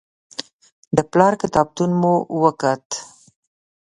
د پلار کتابتون مو وکت.